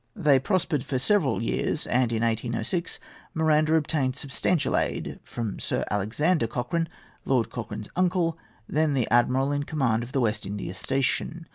They prospered for several years; and in 1806 Miranda obtained substantial aid from Sir Alexander Cochrane, Lord Cochrane's uncle, then the admiral in command of the West India station.